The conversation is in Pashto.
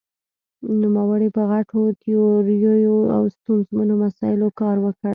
نومړې په غټو تیوریو او ستونزمنو مسايلو کار وکړ.